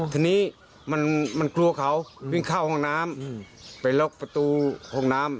ทีนี้มันกลัวเขาวิ่งเข้าห้องน้ำไปล็อกประตูห้องน้ำ